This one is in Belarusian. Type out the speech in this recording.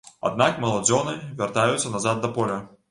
Аднак маладзёны вяртаюцца назад да поля.